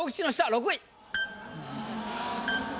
６位。